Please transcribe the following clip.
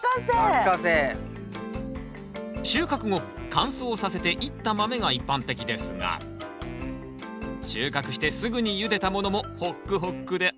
収穫後乾燥させて煎った豆が一般的ですが収穫してすぐにゆでたものもホックホックで甘いんです